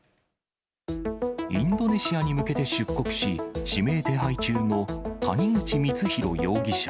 インドネシアに向けて出国し、指名手配中の谷口光弘容疑者。